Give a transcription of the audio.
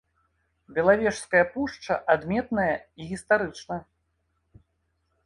Белавежская пушча адметная і гістарычна.